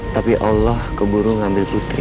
tapi allah keburu ngambil putri